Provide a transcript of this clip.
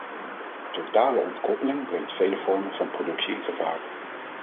Totale ontkoppeling brengt vele vormen van productie in gevaar.